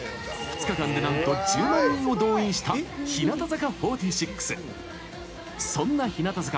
２日間でなんと１０万人を動員した日向坂４６。